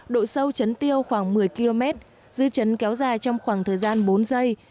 độ sâu trấn tiêu khoảng một mươi km dư trấn kéo dài trong khoảng thời gian bốn giây